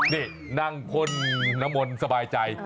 นี่นั่งพ่นน้ำมนต์สบายใจ